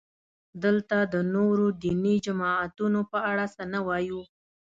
دلته د نورو دیني جماعتونو په اړه څه نه وایو.